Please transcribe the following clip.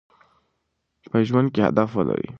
په ژوند کې هدف ولرئ.